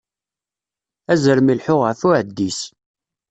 Azrem ileḥḥu ɣef uɛeddis.